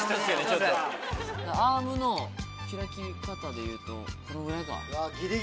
アームの開き方でいうとこのぐらいか。